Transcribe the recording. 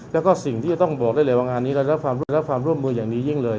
แล้วก็สิ่งที่ต้องบอกได้เลยว่างานนี้เรารับความร่วมมืออย่างนี้ยิ่งเลย